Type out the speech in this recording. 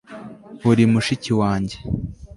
Uri mushiki wanjye